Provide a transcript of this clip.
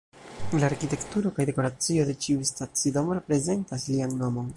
La arkitekturo kaj dekoracio de ĉiu stacidomo reprezentas lian nomon.